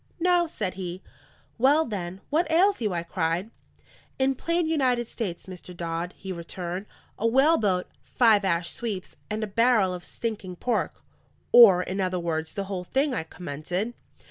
"No," said he. "Well, then, what ails you?" I cried. "In plain United States, Mr. Dodd," he returned, "a whaleboat, five ash sweeps, and a barrel of stinking pork." "Or, in other words, the whole thing?" I commented.